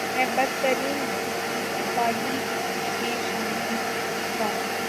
میں برتن دھونے والی ٹیم میں شامل تھا ۔